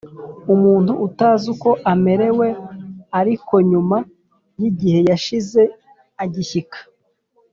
umuntu atazi uko amerewe ariko nyuma y igihe yashize igishyika